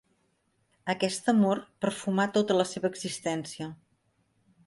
Aquest amor perfumà tota la seva existència.